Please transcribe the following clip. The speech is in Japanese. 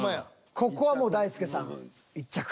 ここはもう大輔さん１着？